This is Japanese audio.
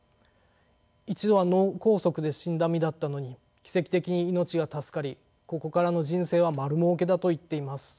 一度は脳梗塞で死んだ身だったのに奇跡的に命が助かりここからの人生は丸儲けだと言っています。